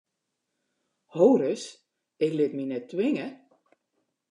Ho ris, ik lit my net twinge!